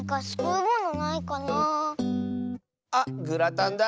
あっグラタンだ！